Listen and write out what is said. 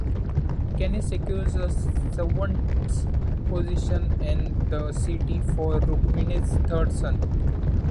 Kenny secures a servant's position in the city for Rukmani's third son.